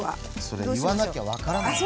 それ言わなきゃ分からない！